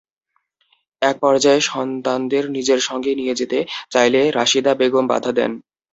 একপর্যায়ে সন্তানদের নিজের সঙ্গে নিয়ে যেতে চাইলে রাশিদা বেগম বাধা দেন।